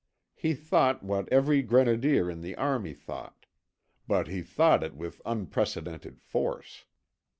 He thought what every grenadier in the army thought; but he thought it with unprecedented force.